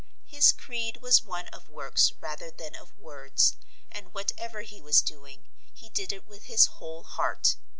His creed was one of works rather than of words, and whatever he was doing he did it with his whole heart.